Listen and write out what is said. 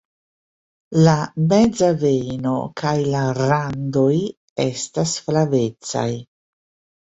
La meza vejno kaj la randoj estas flavecaj.